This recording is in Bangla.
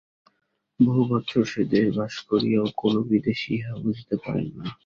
বহু বৎসর সে-দেশে বাস করিয়াও কোন বিদেশী ইহা বুঝিতে পারেন না।